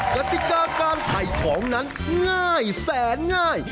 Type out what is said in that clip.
กติกาการถ่ายของนั้นง่ายแสนง่าย